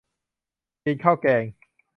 กินข้าวแกง